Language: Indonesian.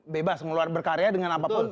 bebas ngeluar berkarya dengan apapun